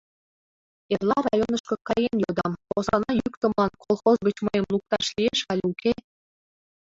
Эрла районышко каен йодам: посана йӱктымылан колхоз гыч мыйым лукташ лиеш але уке?